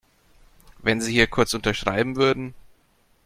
Wenn Sie hier kurz unterschreiben würden.